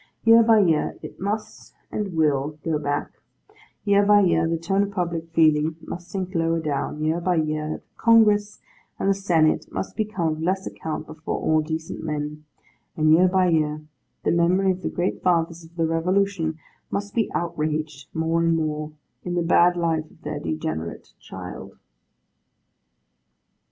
Year by year, it must and will go back; year by year, the tone of public feeling must sink lower down; year by year, the Congress and the Senate must become of less account before all decent men; and year by year, the memory of the Great Fathers of the Revolution must be outraged more and more, in the bad life of their degenerate child.